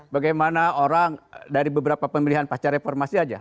bagaimana orang dari beberapa pemilihan pasca reformasi aja